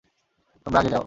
তোমরা আগে যাও।